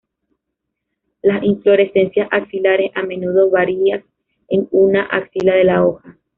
Las inflorescencias axilares, a menudo varias en una axila de la hoja.